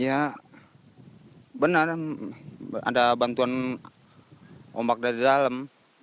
ya benar ada bantuan ombak dari dalam